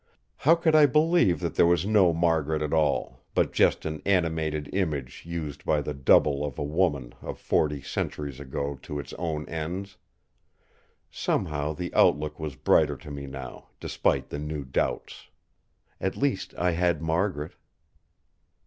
How could I believe that there was no Margaret at all; but just an animated image, used by the Double of a woman of forty centuries ago to its own ends...! Somehow, the outlook was brighter to me now, despite the new doubts. At least I had Margaret!